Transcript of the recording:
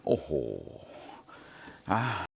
โอ้โห